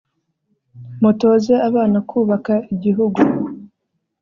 mutoze abana kubaka igihugu